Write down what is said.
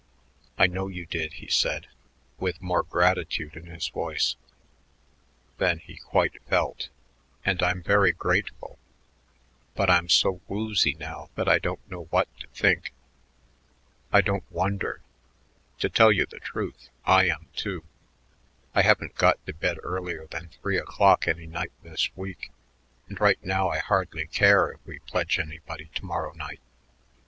"I know you did," he said with more gratitude in his voice than he quite felt, "and I'm very grateful, but I'm so woozy now that I don't know what to think." "I don't wonder. To tell you the truth, I am, too. I haven't got to bed earlier than three o'clock any night this week, and right now I hardly care if we pledge anybody to morrow night."